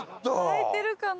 開いてるかな？